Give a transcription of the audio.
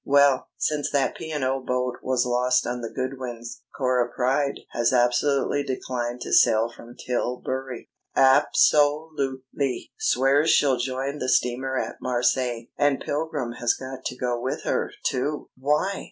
Well, since that P. and O. boat was lost on the Goodwins, Cora Pryde has absolutely declined to sail from Tilbury. Ab so lute ly! Swears she'll join the steamer at Marseilles. And Pilgrim has got to go with her, too." "Why?"